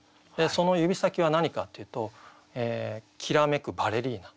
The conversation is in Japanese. その「指先」は何かっていうと「煌めくバレリーナ」。